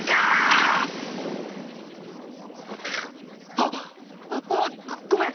あっ！わあごめん！